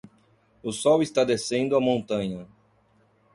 O sol está descendo a montanha.